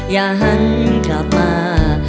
อย่าหันกลับมาอีกเลย